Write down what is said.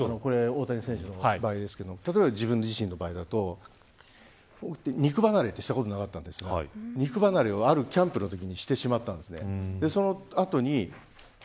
大谷選手の場合ですけど例えば自分自身の場合だと肉離れってしたことがなかったんですけど肉離れをあるキャンプのときにしてしまったんです。